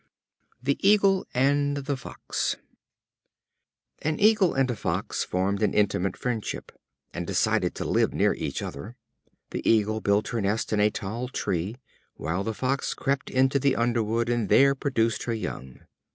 The Eagle and the Fox. An Eagle and a Fox formed an intimate friendship, and decided to live near each other. The Eagle built her nest in a tall tree, while the Fox crept into the underwood and there produced her young.